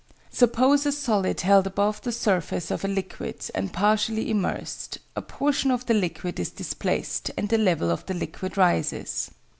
"Suppose a solid held above the surface of a liquid and partially immersed: a portion of the liquid is displaced, and the level of the liquid rises.